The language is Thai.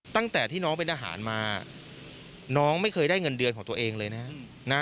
ตั้งแต่ที่น้องเป็นทหารมาน้องไม่เคยได้เงินเดือนของตัวเองเลยนะ